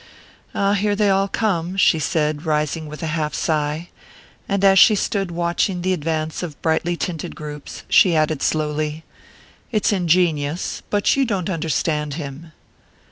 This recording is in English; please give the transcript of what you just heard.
"Ah, here they all come," she said, rising with a half sigh; and as she stood watching the advance of the brightly tinted groups she added slowly: "It's ingenious but you don't understand him."